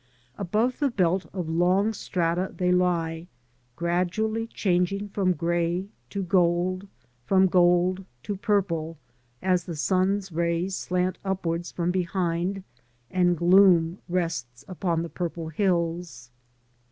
Above the belt of long strata they lie, gradually changing from grey to gold, from gold to purple as the sun's rays slant upwards from behind, and gloom rests upon the purple hills.